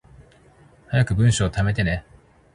早く文章溜めてね